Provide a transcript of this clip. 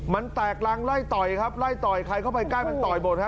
มันแตกรังไล่ต่อยครับไล่ต่อยใครเข้าไปใกล้มันต่อยหมดฮะ